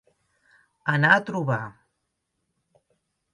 Anar a trobar.